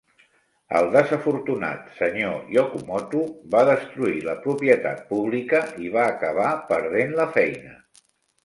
El desafortunat Sr. Yokomoto va destruir la propietat pública i va acabar perdent la feina.